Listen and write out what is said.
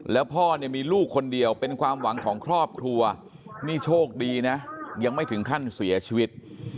แล้วพ่อเนี่ยมีลูกคนเดียวเป็นความหวังของครอบครัวนี่โชคดีนะยังไม่ถึงขั้นเสียชีวิต